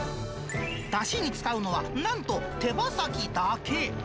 だしに使うのはなんと手羽先だけ。